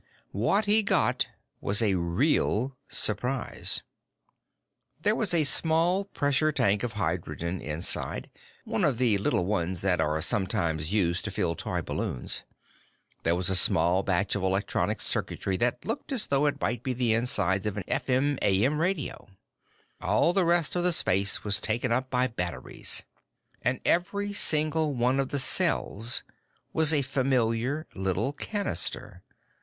What he got was a real surprise. There was a small pressure tank of hydrogen inside one of the little ones that are sometimes used to fill toy balloons. There was a small batch of electronic circuitry that looked as though it might be the insides of an FM AM radio. All of the rest of the space was taken up by batteries. And every single one of the cells was a familiar little cannister.